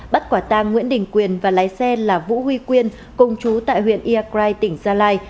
bắt quả tang nguyễn đình quyền và lái xe là vũ huy quyên công chú tại huyện iakrai tỉnh gia lai